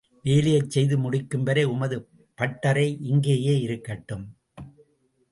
வேலையை செய்து முடிக்கும்வரை உமது பட்டரை இங்கேயே இருக்கட்டும்.